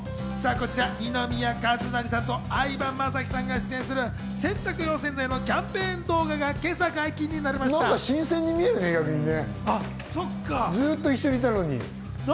二宮和也さんと相葉雅紀さんが出演する洗濯用洗剤のキャンペーン動画が逆に新鮮に見えるね、ずっと一緒にいたのに。